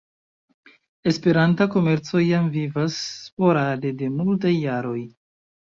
Esperanta komerco jam vivas sporade de multaj jaroj.